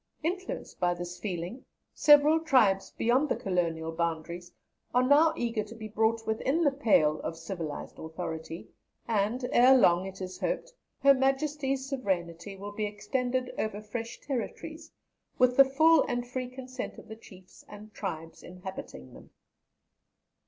Influenced by this feeling, several tribes beyond the colonial boundaries are now eager to be brought within the pale of civilized authority, and ere long, it is hoped, Her Majesty's sovereignty will be extended over fresh territories, with the full and free consent of the chiefs and tribes inhabiting them."